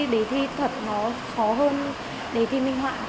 đề thi thuật nó khó hơn đề thi minh họa